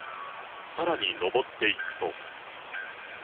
さらに上っていくと。